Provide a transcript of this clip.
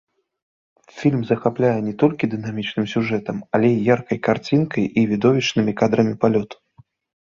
Фільм захапляе не толькі дынамічным сюжэтам, але і яркай карцінкай, і відовішчнымі кадрамі палёту.